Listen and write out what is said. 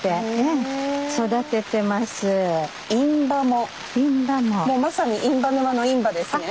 もうまさに印旛沼のインバですね？